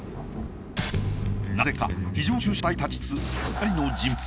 なぜか非常駐車帯に立ち尽くす２人の人物。